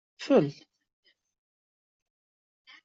Fel!